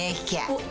おっ。